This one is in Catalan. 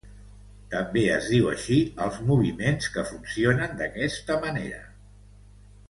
També es diu així als Moviments que funcionen d'aquesta manera.